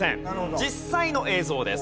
実際の映像です。